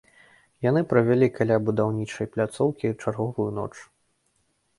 Яны правялі каля будаўнічай пляцоўкі чарговую ноч.